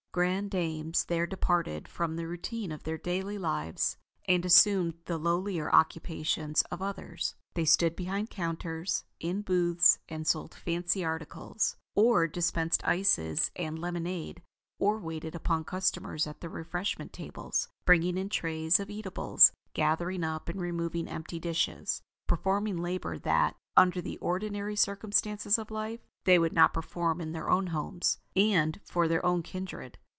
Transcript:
Grand dames there departed from the routine of their daily lives and assumed the lowlier occupations of others. They stood behind counters, in booths, and sold fancy articles, or dispensed ices and lemonade, or waited upon customers at the refreshment tables; bringing in trays of eatables, gathering up and removing empty dishes; performing labor that, under the ordinary circumstances of life, they would not perform in their own homes, and for their own kindred.